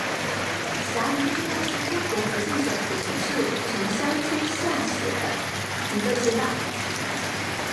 霞林街道是中国福建省莆田市城厢区下辖的一个街道。